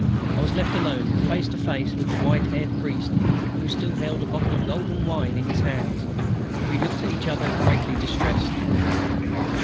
I was left alone face to face with the white haired priest who still held a bottle of golden wine in his hand. We looked at each other greatly distressed.